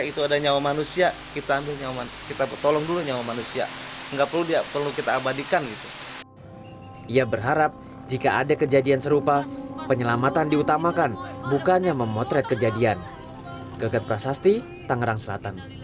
kini kasus kecelakaan maut masih di tangan nepalres subang dan baru menetapkan sopirnya menjadi tersangka